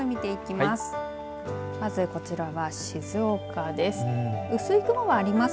まずこちらは静岡です。